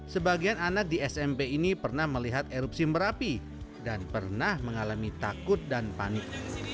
sebagian anak di smp ini pernah melihat erupsi merapi dan pernah mengalami takut dan panik